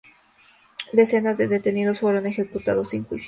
Decenas de detenidos fueron ejecutados sin juicio.